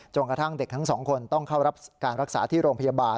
กระทั่งเด็กทั้งสองคนต้องเข้ารับการรักษาที่โรงพยาบาล